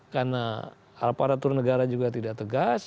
karena alfaratur negara juga tidak tegas